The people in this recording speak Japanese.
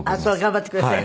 頑張ってください。